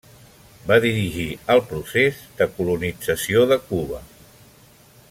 Va dirigir el procés de colonització de Cuba.